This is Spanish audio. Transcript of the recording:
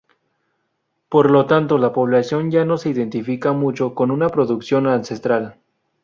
Por lo tanto la población ya no se identifica mucho con una producción ancestral.